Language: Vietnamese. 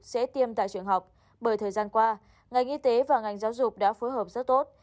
sẽ tiêm tại trường học bởi thời gian qua ngành y tế và ngành giáo dục đã phối hợp rất tốt